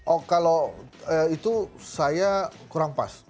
oh kalau itu saya kurang pas